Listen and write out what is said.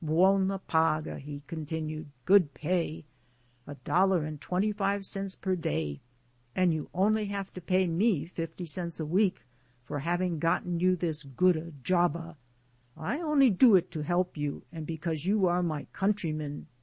'Buona paga'," he continued "(Good pay), $1.25 per day, and you only have to pay me fifty cents a week for having gotten you this 'gooda jobba.' I only do it to help you and because you are my countrymen.